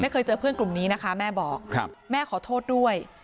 เคยเจอเพื่อนกลุ่มนี้นะคะแม่บอกแม่ขอโทษด้วย